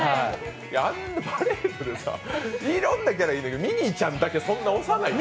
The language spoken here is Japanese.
あんなパレードで、いろんなキャラいるのに、ミニーちゃんだけそんな推さないで。